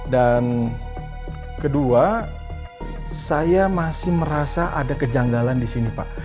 dan kedua saya masih merasa ada kejanggalan di sini pak